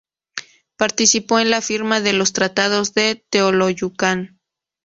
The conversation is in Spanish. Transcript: Participó en la firma de los Tratados de Teoloyucan.